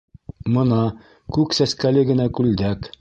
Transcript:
Мына, күк сәскәле генә күлдәк!